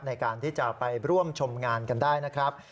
ในการที่จะไปร่วมชมงานกันได้นะครับ